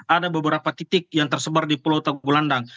ada beberapa titik yang tersebar di pulau tegulandang